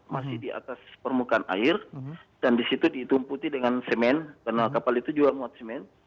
masih di atas permukaan air dan disitu ditumputi dengan semen karena kapal itu juga muat semen